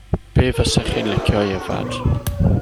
Be' fysach chi'n licio i yfad?